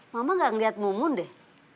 mama gak ngeliat mumun deh